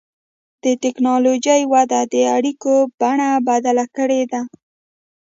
د ټکنالوجۍ وده د اړیکو بڼه بدله کړې ده.